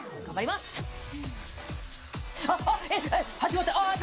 始まった！